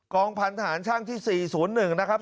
องพันธหารช่างที่๔๐๑นะครับ